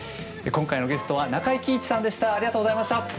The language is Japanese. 今回のゲストは中井貴一さんでした！